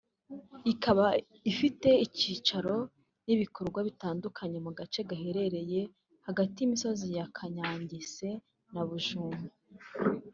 ikaba ifite icyicaro n’ibikorwa bitandukanye mu gace gaherereye hagati y’imisozi ya Kanyangese na Bujumo